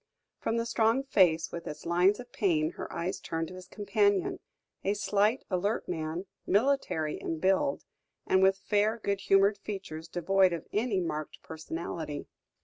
From the strong face, with its lines of pain, her eyes turned to his companion a slight, alert man, military in build and with fair, good humoured features devoid of any marked personality.